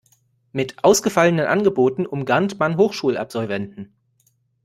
Mit ausgefallenen Angeboten umgarnt man Hochschulabsolventen.